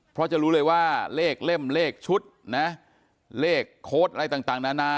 เพราะจะรู้เลยว่าเลขเล่มเลขชุดนะเลขโค้ดอะไรต่างนานา